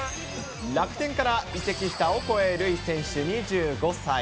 楽天から移籍したオコエ瑠偉選手２５歳。